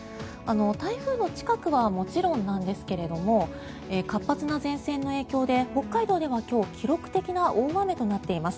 台風の近くはもちろんなんですけれども活発な前線の影響で北海道では今日記録的な大雨となっています。